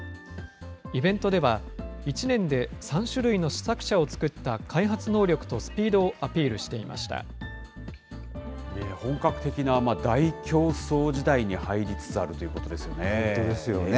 イベントでは１年で３種類の試作車を作った開発能力とスピードを本格的な大競争時代に入りつ本当ですよね。